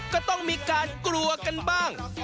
ก็ต้องมีการกลัวกันบ้าง